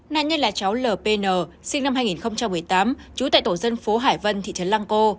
nạn nhân là cháu l p n sinh năm hai nghìn một mươi tám trú tại tổ dân phố hải vân thị trấn lang co